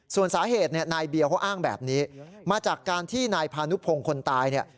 ส่วนสาเหตุเนี่ยนายเบียร์เขาอ้างแบบนี้มาจากการที่นายพานุพงศ์คนตายเนี่ย